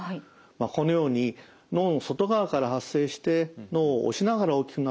このように脳の外側から発生して脳を押しながら大きくなるのが特徴です。